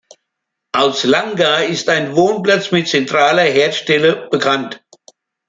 Aus Langå ist ein Wohnplatz mit zentraler Herdstelle bekannt.